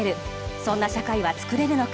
そんな社会は作れるのか。